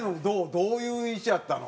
どういう印象やったの？